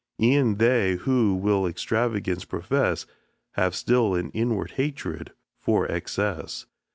E'en they who will extravagance profess, Have still an inward hatred for excess.